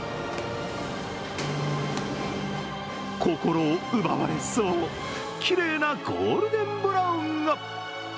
心を奪われそう、きれいなゴールデンブラウンが。